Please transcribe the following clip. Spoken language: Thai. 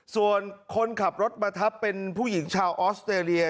ส่วนคนขับรถมาทับเป็นผู้หญิงชาวออสเตรเลีย